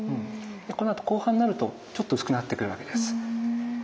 このあと後半になるとちょっと薄くなってくるわけです。